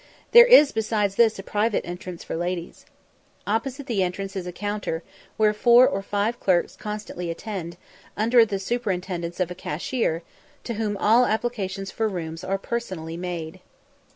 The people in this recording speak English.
There is besides this a private entrance for ladies. Opposite the entrance is a counter, where four or five clerks constantly attend, under the superintendence of a cashier, to whom all applications for rooms are personally made.